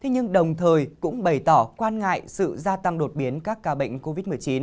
nhưng đồng thời cũng bày tỏ quan ngại sự gia tăng đột biến các ca bệnh covid một mươi chín